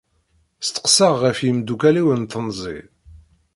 Steqsaɣ ɣef yemdukal-iw n temẓi.